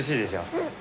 うん。